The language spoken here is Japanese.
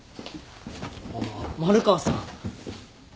あっ丸川さん。